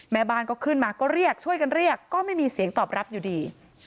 แม่บ้านก็ขึ้นมาก็เรียกช่วยกันเรียกก็ไม่มีเสียงตอบรับอยู่ดี